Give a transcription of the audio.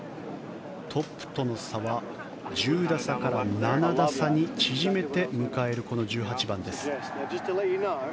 トップとの差は１０打差から７打差に縮めて迎えるこの１８番です。